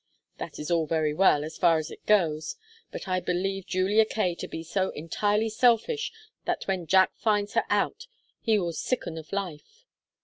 That is all very well, as far as it goes, but I believe Julia Kaye to be so entirely selfish that when Jack finds her out he will sicken of life.